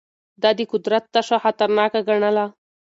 ده د قدرت تشه خطرناکه ګڼله.